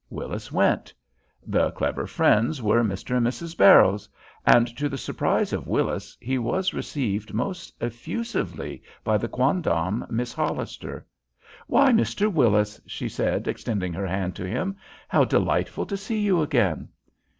Willis went. The clever friends were Mr. and Mrs. Barrows; and, to the surprise of Willis, he was received most effusively by the quondam Miss Hollister. "Why, Mr. Willis," she said, extending her hand to him. "How delightful to see you again!"